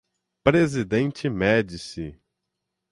Presidente Médici